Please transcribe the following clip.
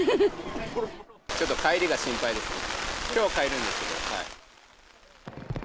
ちょっと帰りが心配ですね。